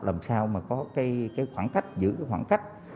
làm sao mà có cái khoảng cách giữ cái khoảng cách